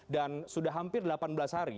dan sudah hampir delapan belas hari